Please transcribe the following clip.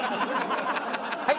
はい？